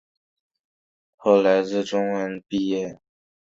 后来自大学中文系本科毕业。